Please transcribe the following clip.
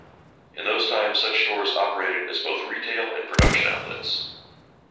In those times such stores operated as both retail and production outlets.